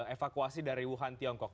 evakuasi dari wuhan tiongkok